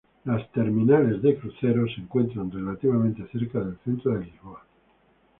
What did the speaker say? Los terminales de cruceros se encuentran relativamente cerca del centro de Lisboa.